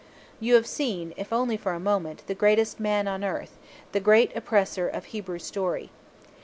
You have seen, if only for a moment, the greatest man on earth the Great Oppressor of Hebrew story.